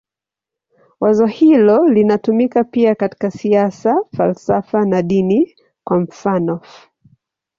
Wazo hilo linatumika pia katika siasa, falsafa na dini, kwa mfanof.